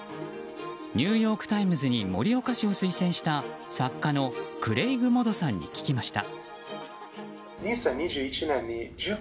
ニューヨーク・タイムズに盛岡市を推薦した作家のクレイグ・モドさんに聞きました。